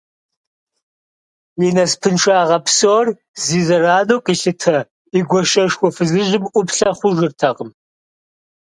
Я насыпыншагъэ псор зи зэрану къилъытэ и гуащэшхуэ фызыжьым ӏуплъэ хъужыртэкъым.